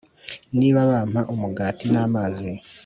nibo bampa umugati n’amazi,